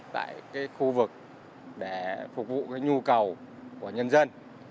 tại khu vực để phục vụ nhu cầu của nhân dân